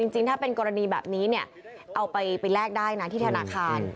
จริงถ้าเป็นกรณีแบบนี้เนี่ยเอาไปแลกได้นะที่ธนาคาร